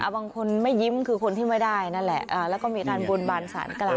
บางคนไม่ยิ้มคือคนที่ไม่ได้นั่นแหละแล้วก็มีการบนบานสารกล่าว